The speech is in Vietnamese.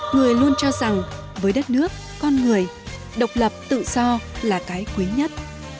người luôn cho rằng với đất nước con người độc lập tự do là cái quý nhất